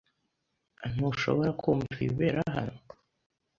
Ntushobora kumva ibibera hano?